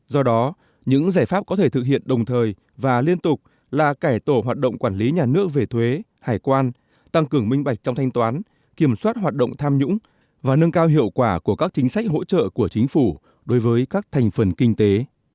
do đó những giải pháp có thể thực hiện đồng thời và liên tục là cải tổ hoạt động quản lý nhà nước về thuế hải quan tăng cường minh bạch trong thanh toán kiểm soát hoạt động tham nhũng và nâng cao hiệu quả của các chính sách hỗ trợ của chính phủ đối với các thành phần kinh tế